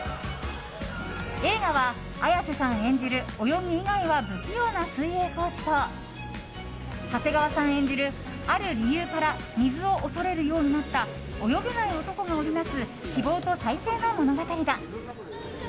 映画は、綾瀬さん演じる泳ぎ以外は不器用な水泳コーチと長谷川さん演じる、ある理由から水を恐れるようになった泳げない男が織り成す希望と再生の物語だ。